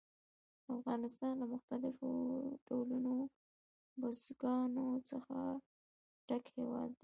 افغانستان له مختلفو ډولونو بزګانو څخه ډک هېواد دی.